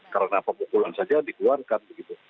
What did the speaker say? karena pemukulan saja dikeluarkan